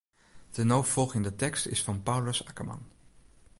De no folgjende tekst is fan Paulus Akkerman.